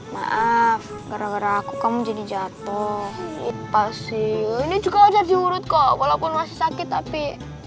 maaf gara gara aku kamu jadi jatuh ipal sih ini juga udah diurut kok walaupun masih sakit tapi